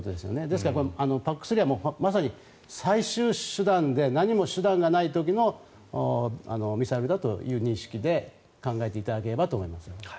ですからＰＡＣ３はまさに最終手段で何も手段がない時のミサイルだという認識で考えていただければと思います。